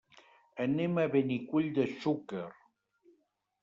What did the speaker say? Anem a Benicull de Xúquer.